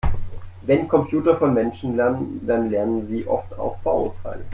Wenn Computer von Menschen lernen, dann lernen sie oft auch Vorurteile.